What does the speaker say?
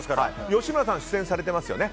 吉村さん、出演されてますよね